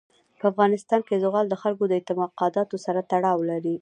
په افغانستان کې زغال د خلکو د اعتقاداتو سره تړاو لري.